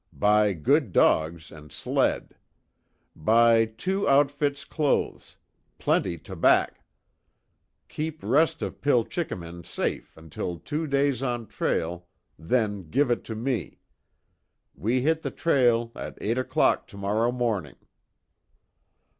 Buy good dogs and sled. Buy two outfits clothes plenty tabac. Keep rest of pil chikimin safe until two days on trail, then give it to me. We hit the trail at eight o'clock tomorrow morning."